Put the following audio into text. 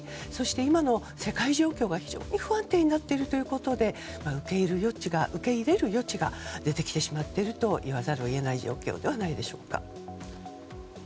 今の世界状況が非常に不安定になっているということで受け入れる余地が出てきてしまっているといわざるを得ない状況ではないでしょうか。